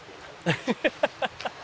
「ハハハハ！」